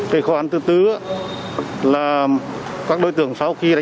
khó khăn thứ tư là các đối tượng